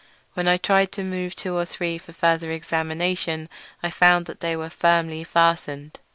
When I tried to move two or three for further examination, I found they were firmly fastened.